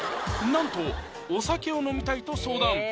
なんとお酒を飲みたいと相談！